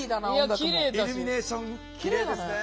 イルミネーションきれいですね。